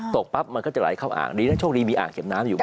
ตกปั๊บมันก็จะไหลเข้าอ่างดีนะโชคดีมีอ่างเก็บน้ำอยู่